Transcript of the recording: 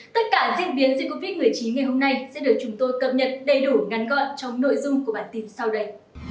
tất cả diễn biến dịch covid một mươi chín ngày hôm nay sẽ được chúng tôi cập nhật đầy đủ ngắn gọn trong nội dung của bản tin sau đây